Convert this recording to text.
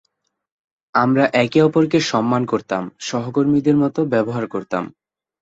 আমরা একে অপরকে সম্মান করতাম, সহকর্মীদের মত ব্যবহার করতাম।